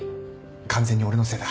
完全に俺のせいだ。